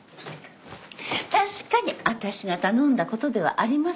確かに私が頼んだことではありますよ。